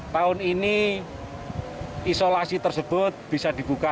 tahun ini isolasi tersebut bisa dibuka